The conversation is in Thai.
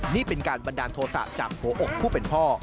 นี่เป็นการบันดาลโทษะจากหัวอกผู้เป็นพ่อ